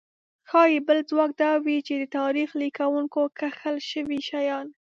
ښايي بل ځواب دا وي چې د تاریخ لیکونکو کښل شوي شیان.